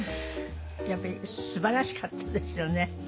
やっぱりすばらしかったですよね。